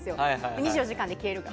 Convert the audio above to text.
２４時間で消えるから。